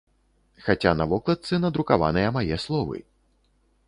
Хаця на вокладцы надрукаваныя мае словы!